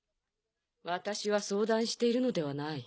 私は相談しているのではない。